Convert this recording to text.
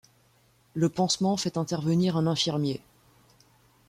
Le pansement fait intervenir un infirmier.